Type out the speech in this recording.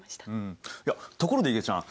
ところでいげちゃん